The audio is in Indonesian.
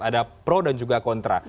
ada pro dan juga kontra